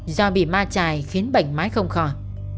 do bị ma trài khiến bệnh mãi không khỏi